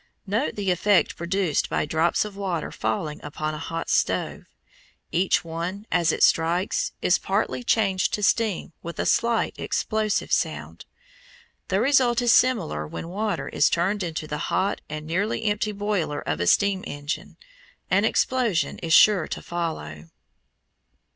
Note the effect produced by drops of water falling upon a hot stove. Each one, as it strikes, is partly changed to steam with a slight explosive sound. The result is similar when water is turned into the hot and nearly empty boiler of a steam engine an explosion is sure to follow.